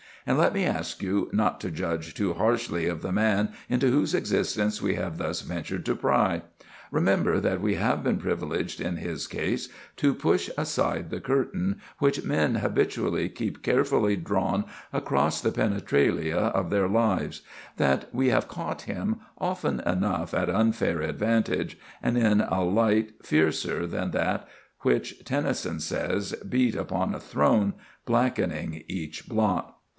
And let me ask you not to judge too harshly of the man into whose existence we have thus ventured to pry. Remember that we have been privileged in his case to push aside the curtain which men habitually keep carefully drawn across the penetralia of their lives; that we have caught him often enough at unfair advantage, and in a light fiercer than that which, Tennyson says, beats upon a throne, blackening each blot.